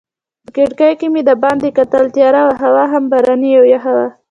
په کړکۍ کې مې دباندې کتل، تیاره وه هوا هم باراني او یخه وه.